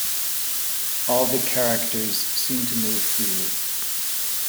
All the characters seem to move freely.